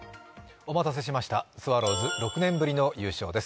お待たせしました、スワローズ６年ぶりの優勝です。